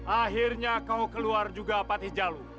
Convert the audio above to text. akhirnya kau keluar juga pati jalu